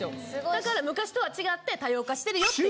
だから昔とは違って多様化してるよっていう。